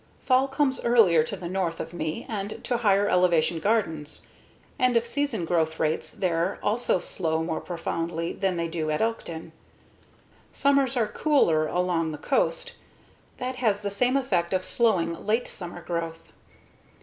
Fall comes earlier to the north of me and to higher elevation gardens; end of season growth rates there also slow more profoundly than they do at Elkton. Summers are cooler along the coast; that has the same effect of slowing late summer growth.